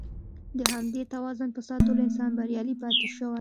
د همدې توازن په ساتلو انسان بریالی پاتې شوی.